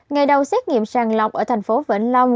ngày đầu xét nghiệm sàng lọc ở thành phố vĩnh long